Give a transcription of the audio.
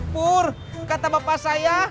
pur kata bapak saya